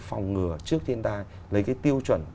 phòng ngừa trước thiên tai lấy cái tiêu chuẩn